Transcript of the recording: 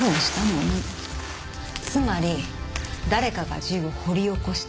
つまり誰かが銃を掘り起こした。